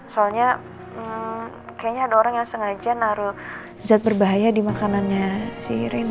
soalnya kayaknya ada orang yang sengaja naruh zat berbahaya di makanannya si irin